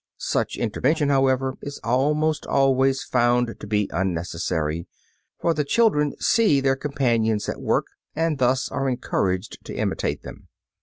Such intervention, however, is almost always found to be unnecessary, for the children see their companions at work, and thus are encouraged to imitate them.